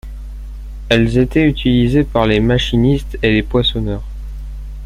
Elles étaient utilisées par les machinistes et les poinçonneurs.